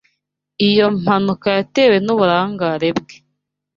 Iyo mpanuka yatewe n'uburangare bwe.